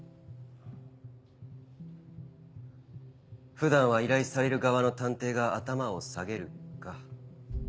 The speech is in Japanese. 普段は依頼される側の探偵が頭を下げるか。